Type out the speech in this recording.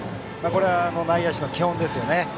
これは内野手の基本ですよね。